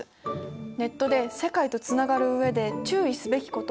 ネットで世界とつながる上で注意すべきこと。